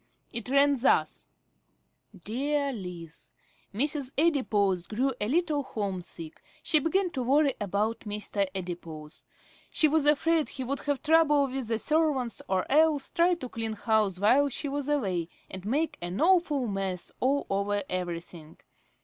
It ran thus: DEAR LIZ, Mrs. Adipose grew a little home sick. She began to worry about Mr. Adipose. She was afraid he would have trouble with the servants, or else try to clean house while she was away, and make an awful mess all over everything.